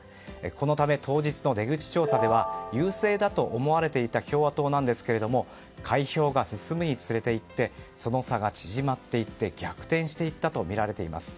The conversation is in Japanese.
このため、当日の出口調査では優勢だと思われていた共和党ですけれども開票が進むにつれてその差が縮まっていって逆転していったとみられています。